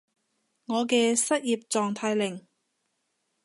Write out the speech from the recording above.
我嘅失業狀態令